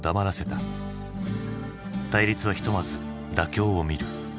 対立はひとまず妥協をみる。